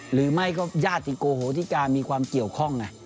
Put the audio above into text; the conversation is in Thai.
หรือไม่ก็ญาติที่โกโหที่กามีความเกี่ยวข้องไง